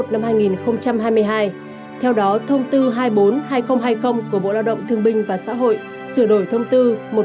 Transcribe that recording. năm hai nghìn hai mươi hai theo đó thông tư hai mươi bốn hai nghìn hai mươi của bộ lao động thương binh và xã hội sửa đổi thông tư một mươi hai nghìn một mươi bảy